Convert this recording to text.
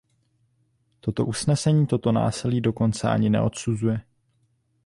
Toto usnesení toto násilí dokonce ani neodsuzuje.